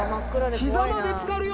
膝までつかるよ